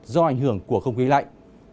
do ảnh hưởng của không khí lạnh